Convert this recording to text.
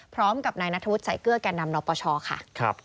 พร้อมกับนายนัทธวุฒิสายเกลือแก่นำนปชค่ะ